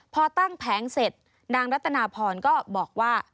พอตั้งแผงเสร็จนางรัตนาพรก็บอกว่า